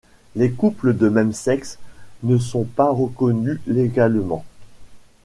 Les couples de même sexe ne sont pas reconnus légalement.